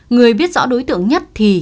người biết rõ đối tượng nhất thì